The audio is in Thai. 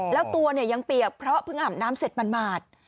แล้วตัวเนี่ยยังเปียกเพราะเพิ่งอาบน้ำเสร็จมันหมาด